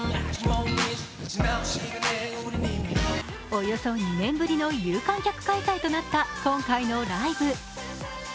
およそ２年ぶりの有観客開催となった今回のライブ。